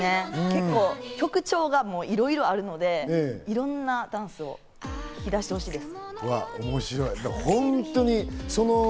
曲調がいろいろあるので、いろんなダンスを引き出してほしいです。